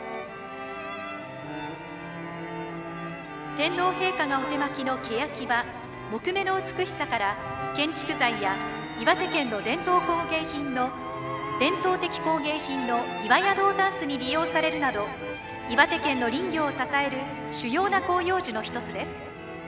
天皇陛下がお手播きのケヤキは木目の美しさから建築材や岩手県の伝統的工芸品の岩谷堂箪笥に利用されるなど岩手県の林業を支える主要な広葉樹の一つです。